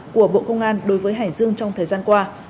của bộ công an đối với hải dương trong thời gian qua